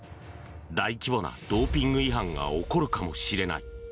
大規模なドーピング違反が起こるかもしれない。